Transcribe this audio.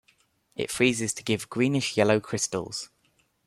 It freezes to give greenish-yellow crystals.